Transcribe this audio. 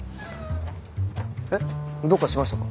えっ？どうかしましたか？